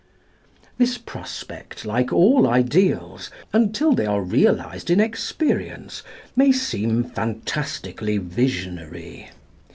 This prospect, like all ideals, until they are realised in experience, may seem fantastically visionary.